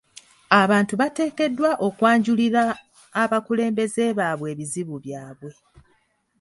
Abantu bateekeddwa okwanjulira abakulembeze baabwe ebizibu byabwe.